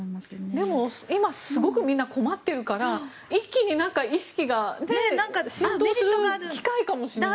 でも、今すごくみんな困っているから一気に意識が浸透する機会かもしれない。